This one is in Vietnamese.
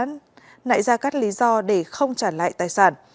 các bị can đã nảy ra các lý do để không trả lại tài sản